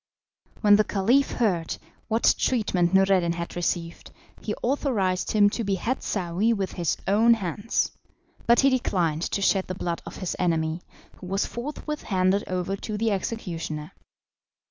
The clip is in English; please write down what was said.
When the Caliph heard what treatment Noureddin had received, he authorised him to behead Saouy with his own hands, but he declined to shed the blood of his enemy, who was forthwith handed over to the executioner.